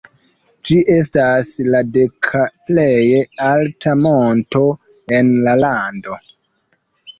Ĝi estas la deka plej alta monto en la lando.